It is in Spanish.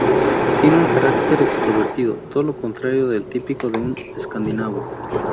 Tiene un carácter extrovertido, todo lo contrario del típico de un escandinavo.